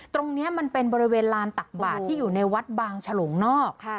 ตรงนี้มันเป็นบริเวณลานตักบาทที่อยู่ในวัดบางฉลงนอก